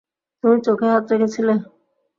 তুমি চোখে হাত রেখেছিলে?